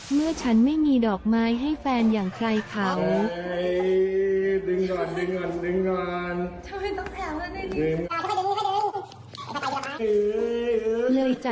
เมื่อฉันไม่มีดอกไม้ให้แฟนอย่างใครเขา